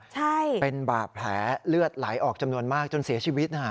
ใช่เป็นบาดแผลเลือดไหลออกจำนวนมากจนเสียชีวิตนะฮะ